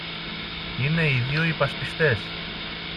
Είναι οι δυο υπασπιστές